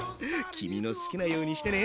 君の好きなようにしてね。